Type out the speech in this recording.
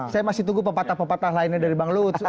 saya masih tunggu pepatah pepatah lainnya dari bang lut